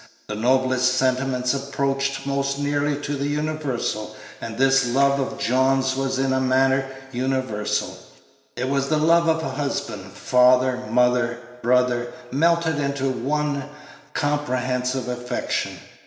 The noblest sentiments approach most nearly to the universal, and this love of John's was in a manner universal. It was the love of husband, father, mother, brother, melted into one comprehensive affection.